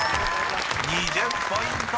［２０ポイント獲得！